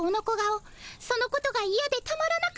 そのことがイヤでたまらなかった。